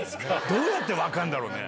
どうやって分かるんだろうね。